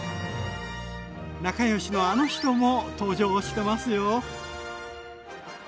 仲良しのあの人も登場してますよ！